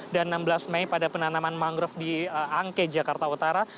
dan enam belas mei pada penanaman mangrove di angke jakarta utara